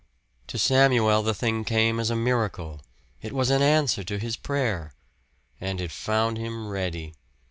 To Samuel the thing came as a miracle it was an answer to his prayer. And it found him ready.